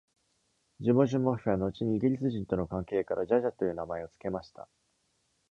ジュモジュ・モフェは後にイギリス人との関係から「ジャジャ」という名前をつけました。